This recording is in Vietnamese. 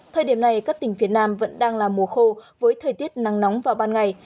thời điểm này các tỉnh phía nam vẫn đang là mùa khô với thời tiết nắng nóng vào ban ngày